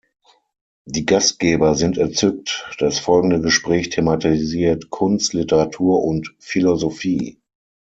Die Gastgeber sind entzückt, das folgende Gespräch thematisiert Kunst, Literatur und Philosophie.